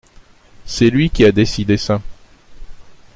C’est lui qui a décidé ça…